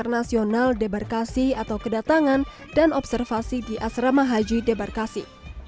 nasional debarkasi atau kedatangan dan observasi di asrama haji debarkasi